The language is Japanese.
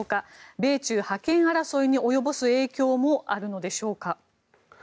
米中覇権争いに及ぼす影響もあるのでしょうか？